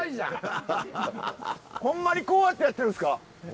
ホンマにこうやってやってるんですか？